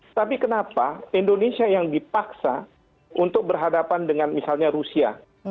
tapi kenapa indonesia yang dipaksa untuk berhadapan dengan misalnya rusia